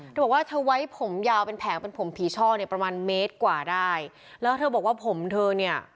เธอบอกว่าเธอไว้ผมยาวเป็นแผงเป็นผมผีช่อเนี่ยประมาณเมตรกว่าได้แล้วเธอบอกว่าผมเธอเนี่ย